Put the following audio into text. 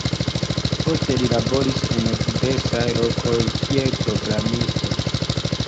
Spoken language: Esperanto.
Poste li laboris en diversaj lokoj kiel programisto.